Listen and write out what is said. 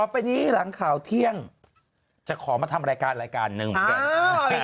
ไปนี้หลังข่าวเที่ยงจะขอมาทำรายการรายการหนึ่งเหมือนกัน